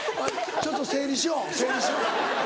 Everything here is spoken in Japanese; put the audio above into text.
ちょっと整理しよう。